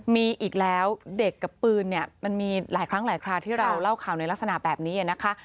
มีอีกแล้วเด็กกับปืนเนี่ยมันมีหลายครั้งหลายคราวที่เราเล่าข่าวในลักษณะแบบนี้นะคะ